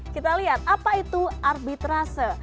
kita lihat apa itu arbitrase